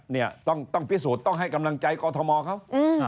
เนี่ยต้องพิสูจน์ต้องให้กำลังใจกอทมเขา